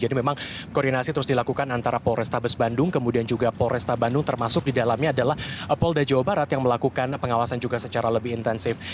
jadi memang koordinasi terus dilakukan antara polresta bes bandung kemudian juga polresta bandung termasuk didalamnya adalah pol dajawabarat yang melakukan pengawasan juga secara lebih intensif